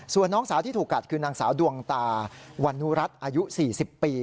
ส่วนน้องสาวที่ถูกกัดคือนางสาวดวงตาวันนุรัติอายุ๔๐ปี